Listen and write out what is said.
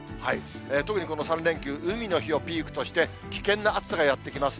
特にこの３連休、海の日をピークとして、危険な暑さがやって来ます。